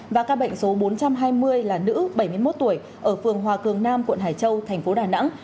và ca bệnh số bốn trăm hai mươi là nữ bảy mươi một tuổi ở phường hòa cường nam quận hải châu thành phố đà nẵng